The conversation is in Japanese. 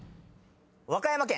和歌山県。